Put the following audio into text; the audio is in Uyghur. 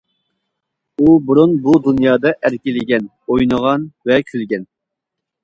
ئۇ بۇرۇن بۇ دۇنيادا ئەركىلىگەن، ئوينىغان ۋە كۈلگەن.